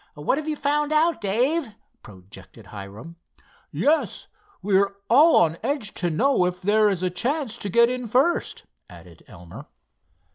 "What have you found out, Dave?" projected Hiram. "Yes, we're all on edge to know if there is a chance to get in first," added Elmer.